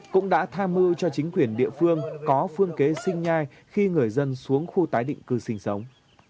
cũng đã tham mưu cho chính quyền địa phương có phương kế sinh nhai khi người dân xuống khu tái định cư sinh sống